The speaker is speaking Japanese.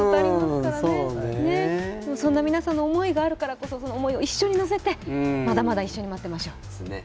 そんな皆さんの思いがあるからこそその思いを一緒に乗せてまだまだ一緒に待ちましょう。